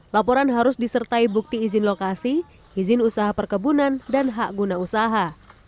laporan harus disertai bukti izin lokasi izin usaha perkebunan dan hak guna usaha